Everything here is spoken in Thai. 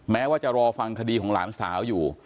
แม้ว่าจะรอฟังคดีของหลานสาวอยู่